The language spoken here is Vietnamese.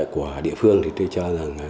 của địa phương thì tôi cho rằng là